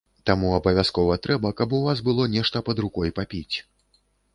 Таму абавязкова трэба, каб у вас было нешта пад рукой папіць.